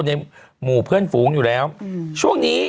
ในหมู่เพื่อนฝูงอยู่แล้วช่วงนี้